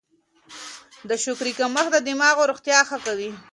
د شکرې کمښت د دماغ روغتیا ښه کوي.